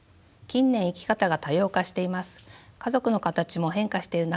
近年生き方が多様化しています。